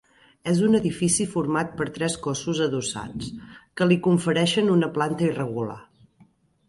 És un edifici format per tres cossos adossats, que li confereixen una planta irregular.